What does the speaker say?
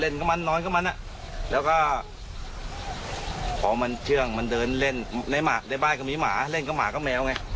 ทำให้ก่อนขึ้นกลัว